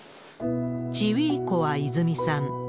チウィーコワいづみさん。